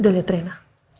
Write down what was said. udah liat rena